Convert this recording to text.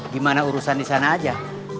gimana urusan disana aja